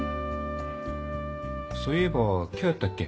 そういえば今日やったっけ？